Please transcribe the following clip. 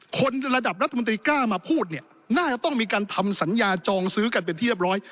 คนระดับรัฐมนตรีกล้ามาพูดเนี่ยน่าจะต้องมีการทำสัญญาจองซื้อกันเป็นที่เรียบร้อย